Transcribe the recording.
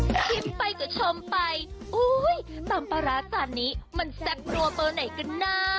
กินไปก็ชมไปอุ้ยตำร้าส่านนี้มันแซ่บรัวเปล่าไหนกันนะ